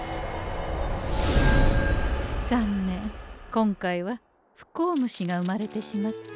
残念今回は不幸虫が生まれてしまった。